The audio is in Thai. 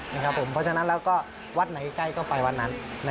เพราะฉะนั้นแล้วก็วัดไหนใกล้ก็ไปวัดนั้น